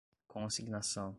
consignação